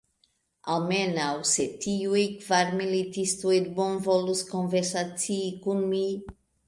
Almenaŭ, se tiuj kvar militistoj bonvolus konversacii kun mi!